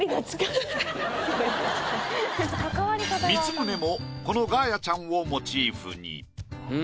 光宗もこのガーヤちゃんをモチーフに。